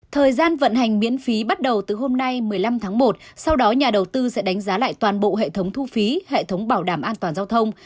thời gian vận hành miễn phí bắt đầu từ hôm nay một mươi năm tháng một sau đó nhà đầu tư sẽ đánh giá lại toàn bộ hệ thống thu phí hệ thống bảo đảm an toàn giao thông